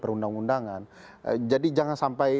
perundang undangan jadi jangan sampai